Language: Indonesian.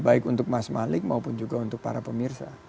baik untuk mas malik maupun juga untuk para pemirsa